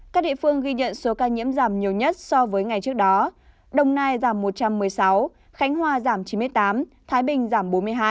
các địa phương ghi nhận số ca nhiễm giảm nhiều nhất so với ngày trước đó đồng nai giảm một trăm một mươi sáu khánh hòa giảm chín mươi tám thái bình giảm bốn mươi hai